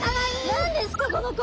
何ですかこの子？